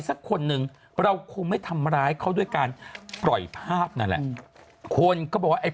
สือสือสือสือสือ